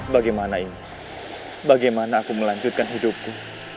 bagaimana ini bagaimana aku melanjutkan hidupku